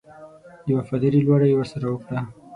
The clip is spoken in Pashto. د وفاداري لوړه یې ورسره وکړه.